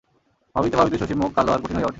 ভাবিতে ভাবিতে শশীর মুখ কালো আর কঠিন হইয়া ওঠে।